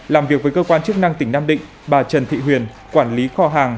làm việc với cơ quan chức năng tỉnh nam định bà trần thị huyền quản lý kho hàng